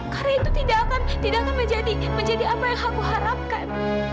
karena itu tidak akan menjadi apa yang aku harapkan